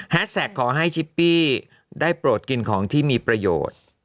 แท็กขอให้ชิปปี้ได้โปรดกินของที่มีประโยชน์